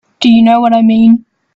Do you know what I mean?